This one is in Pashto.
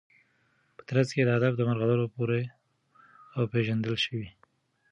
په ترڅ کي د ادب د مرغلرو پوره او پیژندل شوي